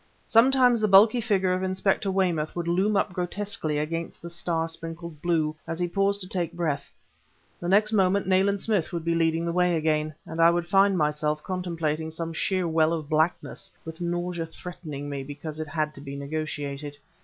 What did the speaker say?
Sometimes the bulky figure of Inspector Weymouth would loom up grotesquely against the star sprinkled blue, as he paused to take breath; the next moment Nayland Smith would be leading the way again, and I would find myself contemplating some sheer well of blackness, with nausea threatening me because it had to be negotiated.